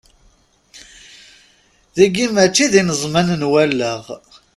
Tiyi mačči d ineẓman n wallaɣ.